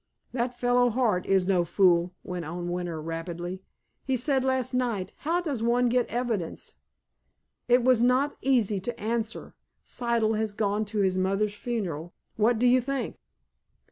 "That fellow, Hart, is no fool," went on Winter rapidly. "He said last night 'How does one get evidence?' It was not easy to answer. Siddle has gone to his mother's funeral. What do you think!"